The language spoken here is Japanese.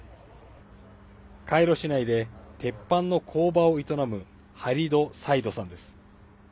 カイロ市内で鉄板の工場を営むハリド・サイドさんです。